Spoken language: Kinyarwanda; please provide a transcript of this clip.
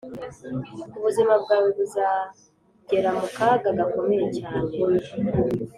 ubuzima bwawe buzagera mu kaga gakomeye cyane,